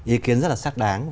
ý kiến rất là xác đáng